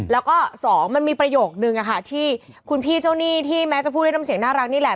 แล้วก็สองมันมีประโยคนึงที่คุณพี่เจ้าหนี้ที่แม้จะพูดด้วยน้ำเสียงน่ารักนี่แหละ